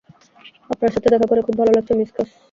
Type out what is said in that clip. আপনার সাথে দেখা করে খুব ভাল লাগছে, মিস ক্রস।